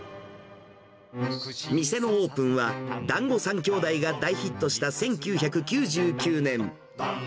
店のオープンはだんご３兄弟が大ヒットした１９９９年。